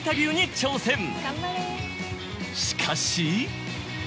しかし。